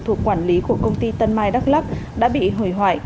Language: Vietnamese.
thuộc quản lý của công ty tân mai đắk lắc đã bị hủy hoại